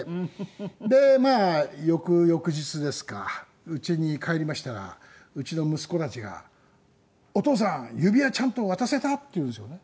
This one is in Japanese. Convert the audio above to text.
でまあ翌々日ですかうちに帰りましたらうちの息子たちが「お父さん指輪ちゃんと渡せた？」って言うんですよね。